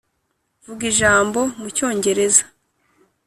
Vuga ijambo mu Cyongereza.